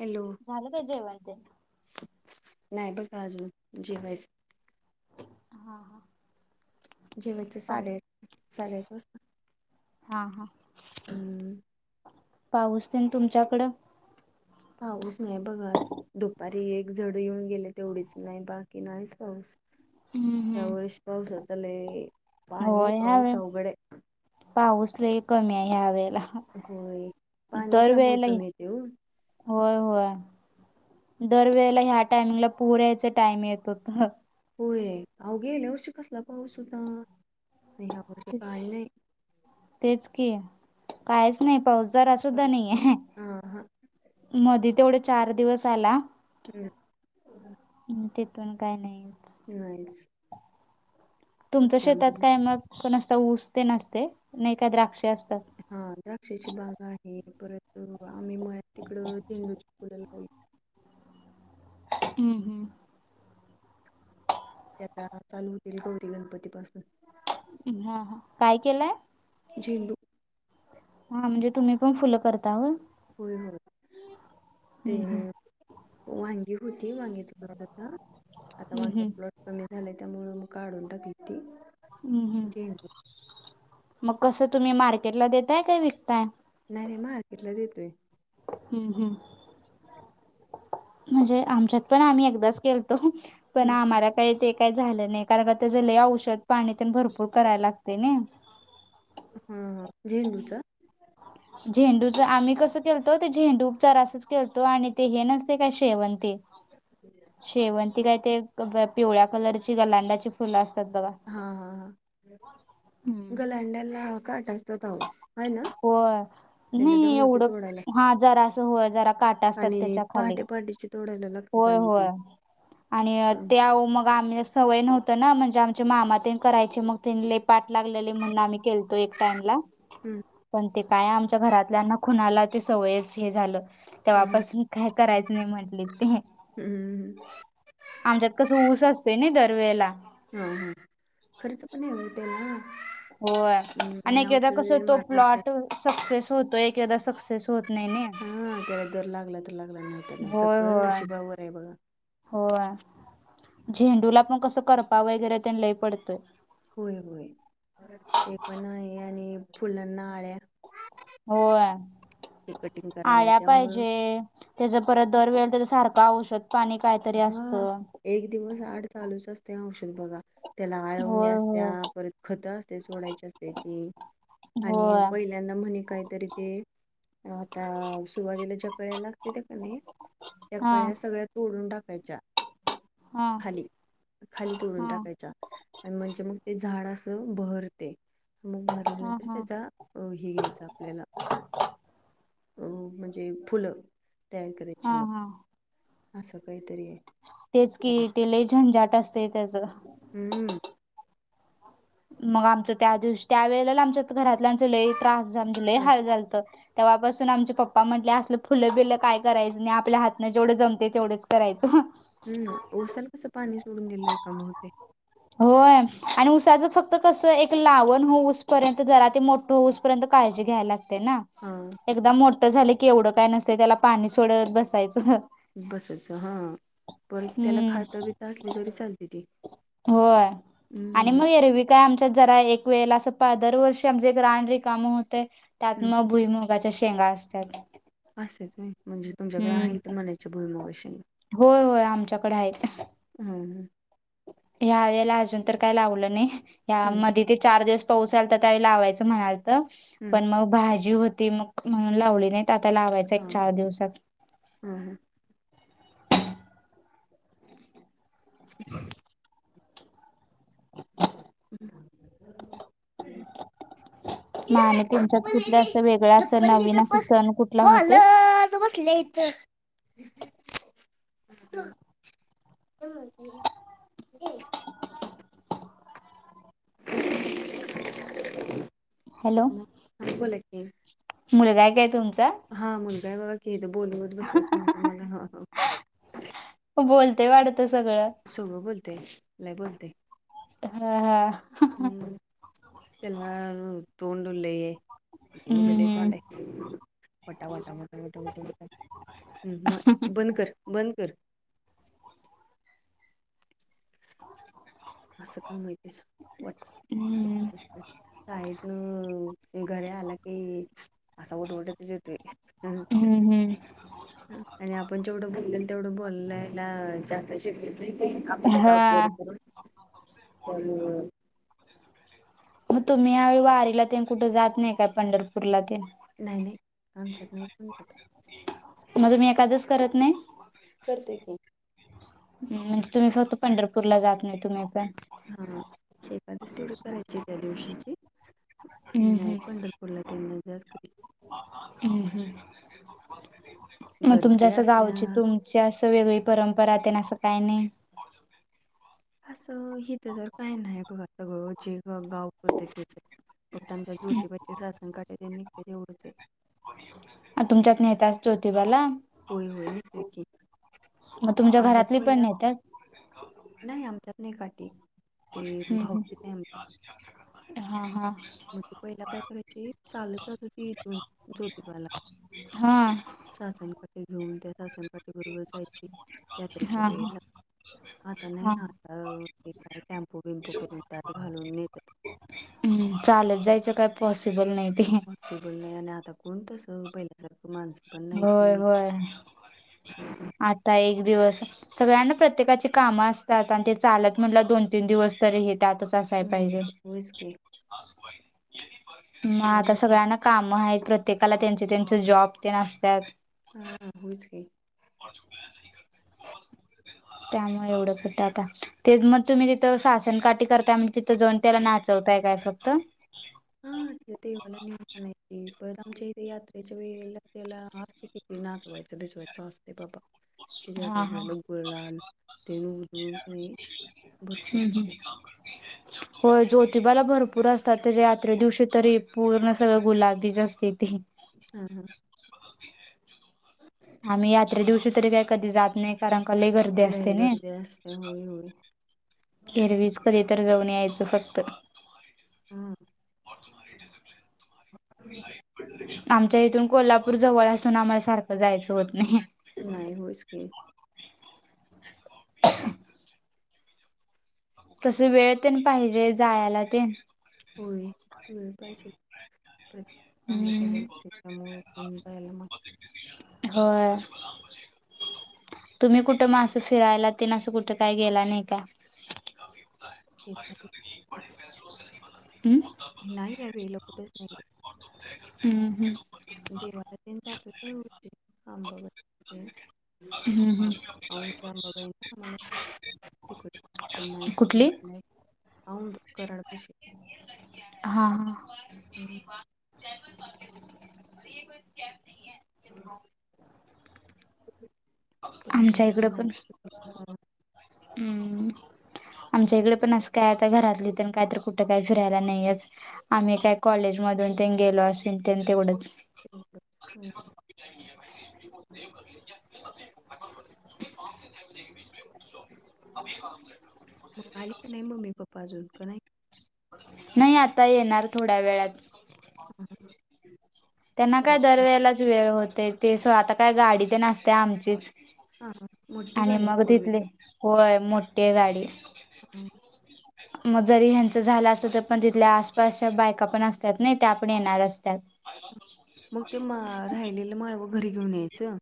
Hello झालं काय जेवण तेन? नाही बघा, अजून जेवायचं. हा हा. जेवायचं पाऊ साडेआठ साडेआठ वाजता. हा हा. हम्म, पाऊस तेन तुमच्याकडं? पाऊस नाई बघ आज. दुपारी एक जड येऊन गेले तेवढीच, नाही बाकी नाहीच पाऊस. हम्म, ह्या हम्म. वळेस पावसाचा लय पाणी होय, ह्यावेळी पाऊस अवघड आहे पाऊस लय कमी हाय ह्या वेळेला. होय, पाणी दर त्यामुळं वेळेला कमी येतय ओ. होय होय. दरवेळेला ह्या, टायमिंगला पुर यायच टाइम येत होत. होय. ह गेल्या वर्षी कसला पाऊस होता. आणि ह्या वर्षी तेच काही नाही. तेच की. कायच नाही पाऊस. जरा सुद्धा नाही आहे. हा हा मध्ये तेवढा चार दिवस आला. हम्म. हम, तिथून काय नाहीच. नाहीच. मग तुमच शेतात त्यामुळे काय मग, काय नुसता ऊस तेन असतय नाही काय द्राक्ष असतात? हा, द्राक्षाची बाग आहे परत, आम्ही मळ्यात तिकडं झेंडूची फूलं लावलेत. हम्म. हम्म. ते आता चालू होतील गौरी गणपती पासून. हा, हा, काय केलंय? झेंडू- हा, म्हणजे तुम्ही पण फुलं करता होय? होय, होय, ते हम्म हम्म वांगी होती, वांग्याच कड आता- आता हम्म वांगी हम्म ऊलट कमी झाले, त्यामुळ मग काढून टाकलेत ते. हम्म हम्म मग कसं तुम्ही मार्केटला देताय का विकताय? नाही मार्केटला देतोय. हम्म, हम्. म्हणजे आमच्यात पण आम्ही एकदाच केेलतो. पण हं, आम्हाला काही ते- काय झालं नाही. कारण का त्याच लय औषध पाणी न ते भरपूर करायला लागतय ना? हा, हा, झेंडू का? झेंडूच. आम्ही कसं केलतो? ते झेंडू उपचार असच केलतो. आणि ते हे नसतय काय शेवंती - शेवंती काय ते पिवळ्या कलरची, गलांडाची फुलं असतात बघा. हा, हा, हा हम्म. गलांड्याला काट असतात अहो. आहे ना होय. त्याला नाही दमवते एवढं, तोडायला हा जरा असं हो जरा काटा असत आणि पहाटे पहाटेचे तोडायला होय लागतात [unintelligible] होय. आणि हं, त्या मग आम्ही- सवय नव्हत ना? म्हणजे आमच्या मामा न ते करायचे. मग तनी लय पाठ लागलेले म्हणून आम्ही केलतो एक टाइमला- हम्म. पण ते काय आमच्या घरातल्याना कूणाला ते सगळंच हे झालं. हं, तेव्हापासून काय - करायचं नाही म्हटले तुम्ही. हम्मम,, हम. आमच्यात कसं ऊस असतोय ना? दरवेळेला. हा, हा, खर्च पण आहे हो त्या्ला. होय. आणि एकादा कस होतो मारायला लागतंय प्लॉट सक्सेस होतोय, एकादा सक्सेस होत नाही नाई? जर लागला तर लागला, नाही तर नाही, होय सगळं होय नशिबावर आहे बघा. होय. झेंडूला पण कसं करपा वगैरे त्यां लई पडतोय. होय, होय. ते पण आहे आणि फुलांना आळ्या- होय. ते कटिंग करायला आळ्या त्यामुळं पाहिजे- त्याज परत, दरवेेळे त्याच्या सारखं औषध पाणी कायतरी हा असतं. एक दिवस आड चालूच असतय औषध बघा. त्याला होय आळवण्या असत्या. होय परत खतं असतय सोडायची असतेची. आणि होय पहिल्यांदा म्हणे काहीतरी ते- आता सुरवातीला ज्या कळ्या लागतेत्या का नाही? त्या हा कळ्या सगळ्यात- तोडून टाकायच्या हा खाली. खाली तोडून हा टाकायच्या. आणि म्हणजे मग ते झाड असं बहरते. मग हा बहरल्यावर हा त्याचा- अ हे घ्यायचं आपल्याला. अ म्हणजे फुलं. तयार करायची हा मग. हा असं काहीतरी आहे. तेच कि. त्याला ते लई छान झंझाट असतय त्याचं. हम्म. मग आमचं त्या दिवशी, त्या वेळेला आमच्या घरातल्याचं लय त्रास आमच लय ह हाल झालतं. तेव्हापासून आमचे पप्पा म्हटले असलं फुलं बिलं काय करायचं नाही. आपल्या हातनं जेवढे जमतय तेवढेच करायचं. हम, उसाला कसं पाणी सोडून दिलंय काम होतय होय आणि उसाचं फक्त फ कसं एक लावण होऊस पर्यंत, जरा ते मोठं होऊस पर्यंत काळजी घ्यायला लागते ना? हा. एकदा मोठं झाले की एवढं काय नसत त्याला पाणी सोडत बसायचं बसच हं पण त्याला हम्म खात बित असली तरी चालते ती होय आणि हम्म मग एरवी काय आमच्यात जरा एक वेळेला असं दरवर्षी आमचे एक राहन र कामं होते त्यात हम्म मग भुईमग मुगाच्या शेंगा असतात. असय व्हय म्हणजे तुमच्याकडे हम्म आहे तर म्हनायच्या भुईमूगच्या शेंगा होय होय आमच्याकडे आहेत. हम ह ह्या वेळेला अजून तर काय लावलं नाही, या हम्म मध्ये ते चार दिवस पाउसा आला तर त्यावेवेली लावायच म्हणाल तर, हम्म पण मग भाजी होती मग म्हणून लावली नाही. ते आता लावायच एक चार दिवसात. हम. ह. ह [inaudible] म आणि तुमच्यात कुठल्या अस वेगळ असं ढप्पल्ली नवीन असं सण कुठला होते? तू बसले यथ हा [inaudible] [unintelligible] हॅलो? हा बोला की मुलं काय काय तुमचा? हा मुलगाय बघा कि बोलवत बसल्यास म्हणते मला हा हा हो बोलतेय वाटत सगळं? सगळं बोलतय लय बोलतय हा हा हम्म त्याला तोड उलये, म लई हम्म तोडे वटा वटाटा वटाटाटा बंद कर बंद कर असं का माहितेस वा? हम्म. शाळेतन घरी आला की, असा ओरडत ओरडतच येतोय हम्. हम्म हम्म आणि आपण जेवढं बोलले, तेवढं बोलायला जास्त शिके नाही ताई आपण त्याच हा ऑबजरव करू त्यामुळं मग तुम्ही यावेळी वारीला ते, कुठे जात नाही काय पंढरपूरला ते? नाही नाही आमच्यात नाही कोणत म्हणजे तुम्ही एकादशी करत नही? करते की हम म्हणजे तुम्ही फक्त पंढरपूर ला जात नाही तुम्ही पण? हा एकादस तेवढ करायची त्या दिवशीची हम्म नाही पंढरपूरला त्यांना जास् कध हम हम मग तुमच्या गर्दी असं गावची असत्या तुम चीं असं वेगळी परंपरा त्या ना असं काही नाही. असं इिथं तर काय नाही बघा सगळं जे गाव करते तेच फक्त आमच्या ज्योतीबाचेासन काठे आहे मी ते तेवढचं आहे. अ तुमच्यात नेट असतील ज्योतिबाला? होय होय मग तुमच्या आमच्यात घरातली पण पहिला नेतात नाही आमच्यात नाही काठी, ते हम्म भाऊकित आहे आम हा हा. मग ती पहिल काय करायचे चालत जातं होती इथून जोतिबाला हा. सासणकाटे घेऊन त्या सासणकाठीे बरोबर जायची [unintelligible] यात्रेच्या हा हा वेळेला आता नाही हा या अ ते काही टॅम्पू विम्पू करून त्यात घालून नेत हम्म चालत जायचं काय पॉसिबल नाही ते? [unintelligible] बोल आणि आता कोण तस पहिला होय होय काहीच नाही आता एक दिवस सगळ्यांना प्रत्येकाची कामं असतात आणि ते चालत म्हटलं दोन तीन दिवस तरी हे त्यातच पायजेल मोडते होयच की तर आता त्यामुळे सगळ्यांना काम आहेत प्रत्येकाला त्यांचे त्यांचे जॉब तेन असतात हा होयच कि त्यामुळे एवढं कुट आता ते मग तुम्ही तिथं सासण काठी करता म्ह तर जावुन त्या्ला नाचवताय काय फक्त हा अ देवला कनी इमच्या यातेच्या व ते किती नाच व्हायचं बेसवायचं असते बाबा हा हा शिवाला गुळ लाल तेून काही भरपूर असते हो जोतिबाला भरपूर असतात त्याच्या यात्रे दिवशी तरी पूर्ण सगळं गुलाबीच असते ते हा हा ह आम्ही यात्रे दिवशी तरी काही कधी जात नाही कारण का लय गर्दी गर्दी असते लय ना गर्दी असते होय होय एरवी हच कधी तरर जाऊन यायचं फक्त हम आमच्या इथून कोल्हापूर जवळ असून आम्हाला सारखं जायचं होत नाही नाही होयच की कस वेळ ते पाहिजे जायला ते होय वेळ पाहिजे कामुळेला हम्म सणयला त्यामुळे हो तुम्ही कुठं मग असं फिरायला ते असं कुठे काही गेला नाही का ते हमम नाही आहे वे ल कुठेच नाही हम्म हम् देवाला जात आंबाबाई हम्म, हम्म. आमच्या आबाबाई क कुठली ना द कराड पाशी हा हा हम् ह पण ह्या आमच्या इकडं वेळेला नाही पण हा हम् आमच्या इकडे पण असं काय आता घरातली तर काय तर कुठं काही फिरायला नाहीच आम्ही काय कॉलेज मधून तेन गेलो असेल ते तेवढंच ह आ [unintelligible] मग आली का नाही मम्मी पप्पा अजून का नाही नाही, आता येणार थोड्या वेळात. हा [inaudible] त्यांना काय सव्वा दरवेेळेलाच वेळ होतेय, ते आता काय गाडी ते असते आमचीच. हा, मोठी आणि गाडीय मग फोर तिथले व्हहीलर. होय मोठी गाडी. ह मग जरी ह्यांचं झालं असत तर पण तिथल्या आसपासच्या बायका पण असतात ना त्या पण येणार असतात मग ते म राहिलेलं माळवं, घरी घेऊन यायचं.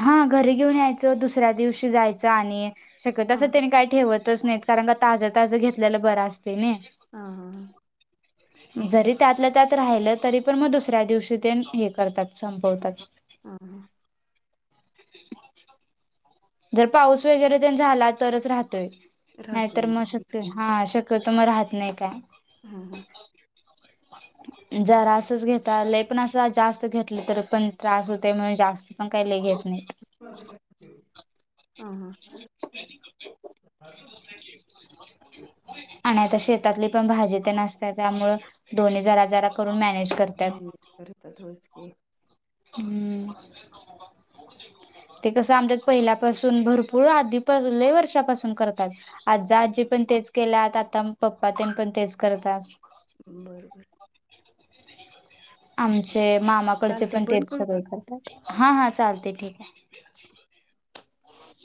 हा, घरी घेऊन यायचं, दुसऱ्या दिवशी जायचं, आणि शक्यतो हां असं त्यानी काही ठेवतच नाहीत, कारण का ताज ताज घेतल्याला बरा असते नी. हा हां हां. ह [inaudible] जरी त्यातलं त्यात राहिलं, तरी पण मग दुसऱ्या दिवशी ते हे करतात, संपवतात. हम्म हम्म. जर पाऊस वगैरे झाला तरच राहतोय राहतोय नाहीतर मग होच शक्य, की हा, शक्य क तस म राहत नाही काय. हा हा [inaudible] च [inaudible] जरा असच घेतालं, पण असं जास्त घेतलं तर, पण त्रास होते, म्हणून जास्त काय लई घेत नाही. ह [inaudible] [unintelligible] हां हां. आणि आता शेतातली पण, भाजी ते असते त्यामुळ, दोनी जरा, जरा करून, मॅनेज करत मॅनेज करता थोडेसक हम्म. ते कसं आमच्यात पहिल्यापासून, भरपूर आधी पहिले वर्षापासून करतात. आजा आजी पण तेच केल्या, आता पप्पा त्यांन पण तेच करतात. बरोबर [inaudible] आमचे मामाकडचे चालते पण बंद तेच करू का सगळे करतात, हा हा चालते, ठीके. ह [inaudible]